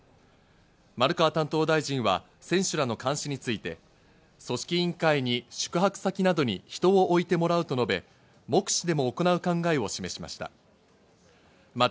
丸川担当大臣は選手らの監視について組織委員会に宿泊先などに人を置いてもらうと述べ、目視でも行う考えを示しました。